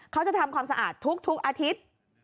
เขาจะทำความสะอาดทุกอาทิตย์